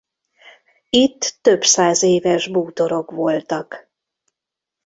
Itt több száz éves bútorok voltak.